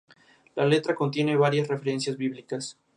La pieza está en la forma sonata-allegro.